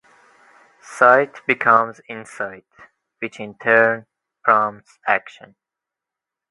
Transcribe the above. Sight becomes insight, which, in turn, prompts action.